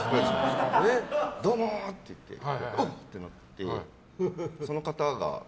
どうも！って言ってうわってなってその方が。